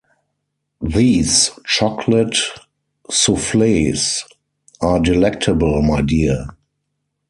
These chocolate soufflés are delectable, my dear.